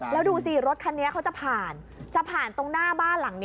แล้วดูสิรถคันนี้เขาจะผ่านจะผ่านตรงหน้าบ้านหลังนี้